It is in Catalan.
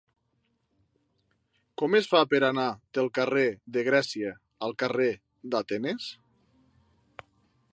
Com es fa per anar del carrer de Grècia al carrer d'Atenes?